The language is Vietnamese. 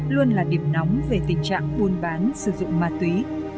luôn là điểm nóng về tình trạng buôn bán sử dụng ma túy